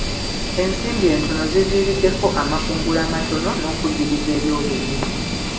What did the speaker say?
Ensimbi entono ziviiriddeko amakungula amatono n'okuddiriza ebyobulimi.